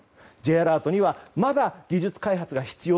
Ｊアラートにはまだ技術開発が必要